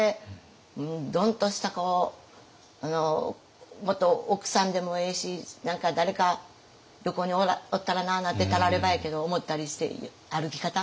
ドン！とした奥さんでもええし何か誰か横におったらなあなんてたらればやけど思ったりして歩き方。